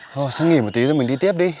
thôi xong nghỉ một tí rồi mình đi tiếp đi